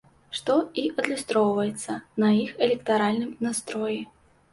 Што і адлюстроўваецца на іх электаральным настроі.